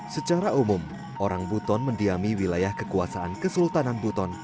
secara umum orang buton mendiami wilayah kekuasaan kesultanan buton